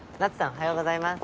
おはようございます。